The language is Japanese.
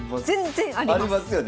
全然あります！